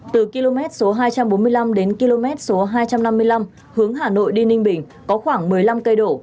từ km số hai trăm bốn mươi năm đến km số hai trăm năm mươi năm hướng hà nội đi ninh bình có khoảng một mươi năm cây đổ